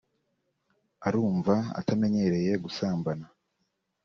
urumva atamenyereye gusambana